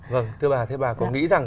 vâng thưa bà thế bà có nghĩ rằng